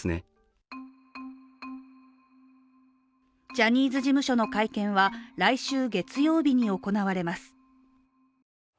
ジャニーズ事務所の会見は来週月曜日に行われます。